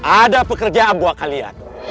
ada pekerjaan buat kalian